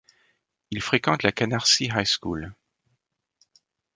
Il fréquente la Canarsie High School.